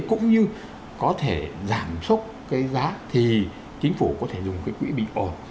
cũng như có thể giảm sốc cái giá thì chính phủ có thể dùng cái quỹ bình ổn